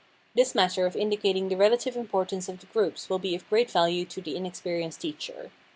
This manner of indicating the relative importance of the groups will be of great value to the inexperienced teacher.